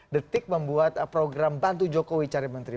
detik membuat program bantu jokowi cari menteri